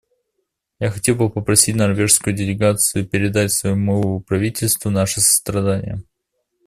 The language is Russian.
Я хотел бы попросить норвежскую делегацию передать своему правительству наши сострадания.